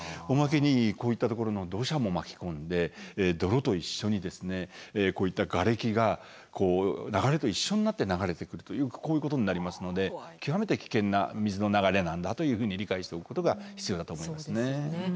おまけにこういったところの土砂も巻き込んで泥と一緒にこういったがれきがこう流れと一緒になって流れてくるというこういうことになりますので極めて危険な水の流れなんだというふうに理解しておくことが必要だと思いますね。